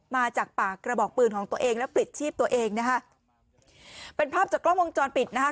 มาจากปากกระบอกปืนของตัวเองแล้วปลิดชีพตัวเองนะคะเป็นภาพจากกล้องวงจรปิดนะคะ